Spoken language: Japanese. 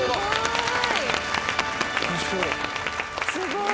すごい。